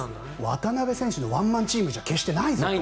渡邊選手のワンマンチームでは決してないと。